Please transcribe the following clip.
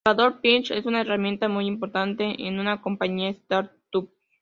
El "elevator pitch" es una herramienta muy importante en una compañía startup.